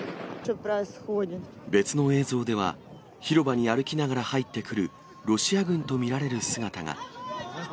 別の映像では、広場に歩きながら入って来るロシア軍と見られる姿が。